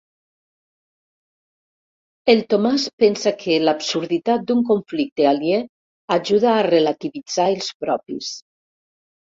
El Tomàs pensa que l'absurditat d'un conflicte aliè ajuda a relativitzar els propis.